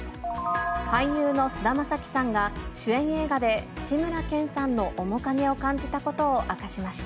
俳優の菅田将暉さんが、主演映画で、志村けんさんの面影を感じたことを明かしました。